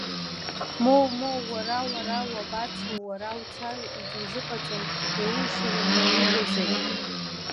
Моумоу, уара, уара уабацо, уара уцар егьузыҟаҵом, иулшараны иҟоузеи?